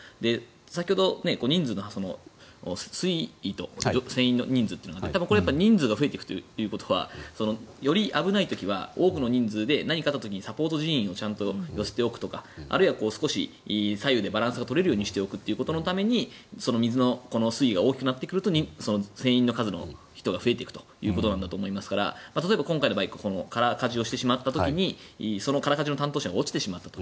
先ほど、水位と船員の人数というのがあって人数が増えていくというのはより危ない時は、多くの人数で何かがあった時にちゃんと乗せておくとかあるいは、少し左右でバランス取れるようにしておくために水の水位が大きくなってくると船員の数が増えていくということなんだと思いますから例えば、今回の場合空かじをしてしまった時にその空かじの担当者が落ちてしまったと。